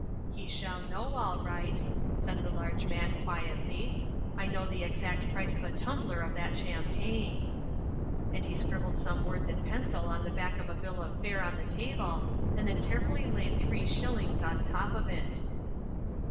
"He shall know, all right," said the large man, quietly. "I know the exact price of a tumbler of that champagne." And he scribbled some words in pencil on the back of a bill of fare on the table, and then carefully laid three shillings on top of it.